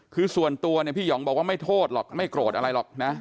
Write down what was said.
คือส่วนตัวเนี่ยพี่หองบอกว่าไม่โทษหรอกไม่โกรธอะไรหรอกนะ